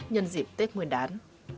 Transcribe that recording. nhân dịp tết nguyên đán